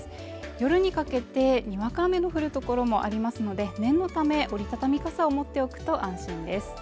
夜にかけてにわか雨の降るところもありますので、念のため折り畳み傘を持っておくと安心です。